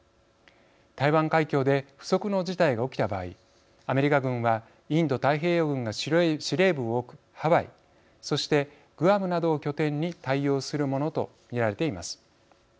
台湾海峡で不測の事態が起きた場合アメリカ軍はインド太平洋軍が司令部を置くハワイそしてグアムなどを拠点に対応するものと見られています。